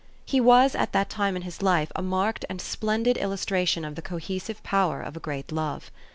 He was at that time in his life a marked and splendid illustration of the cohesive power of a great love.